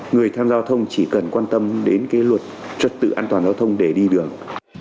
người tham gia giao thông chỉ cần quan tâm đến cái luật trật tự an toàn giao thông để đi đường